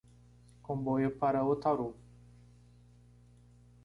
Comboio para Otaru